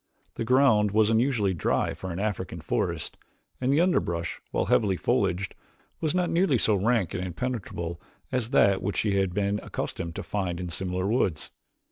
The ground was unusually dry for an African forest and the underbrush, while heavily foliaged, was not nearly so rank and impenetrable as that which she had been accustomed to find in similar woods.